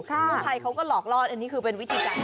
ผู้ภัยเขาก็หลอกลอดอันนี้คือเป็นวิธีการ